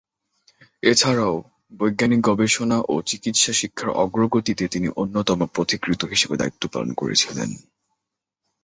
এছাড়াও, বৈজ্ঞানিক গবেষণা ও চিকিৎসা শিক্ষার অগ্রগতিতে তিনি অন্যতম পথিকৃৎ হিসেবে দায়িত্ব পালন করেছিলেন।